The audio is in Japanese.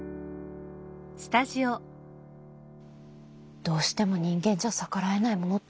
どうしても人間じゃ逆らえないものってありますよね。